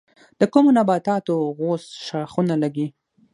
د کومو نباتاتو غوڅ ښاخونه لگي؟